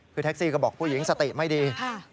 คือแท็กซี่ก็บอกผู้หญิงสติไม่ดี